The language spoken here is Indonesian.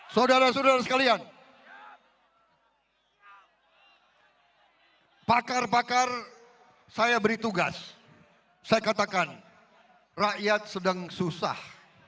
saudara saudara sekalian pakar pakar saya beri tugas saya katakan rakyat sedang susah